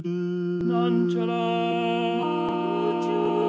「なんちゃら」